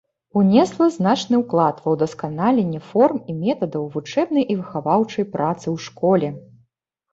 Унесла значны ўклад ва ўдасканаленне форм і метадаў вучэбнай і выхаваўчай працы ў школе.